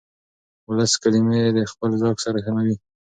ولس کلمې د خپل ذوق سره سموي.